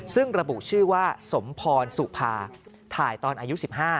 ซึ่งระบุชื่อว่าสมพรสุภาถ่ายตอนอายุ๑๕